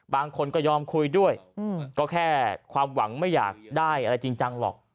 บางคนก็ยอมคุยด้วยก็แค่ความหวังไม่อยากได้อะไรจริงจังหรอก